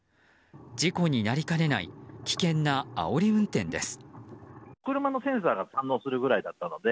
事故になりかねない危険なあおり運転です。